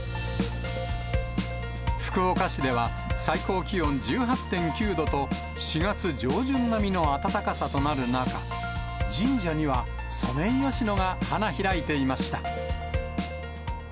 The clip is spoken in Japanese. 福岡市では、最高気温１８．９度と、４月上旬並みの暖かさとなる中、神社にはソメイヨシノが花開いていました。